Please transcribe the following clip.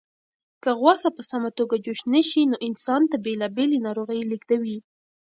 که غوښه په سمه توګه جوش نشي نو انسان ته بېلابېلې ناروغۍ لېږدوي.